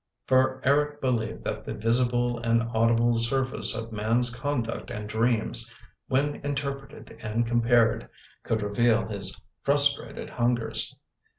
For Eric believed that the visible and audible surface of man's conduct and dreams, when interpreted and compared, could reveal his frustrated hungers.